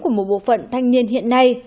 của một bộ phận thanh niên hiện nay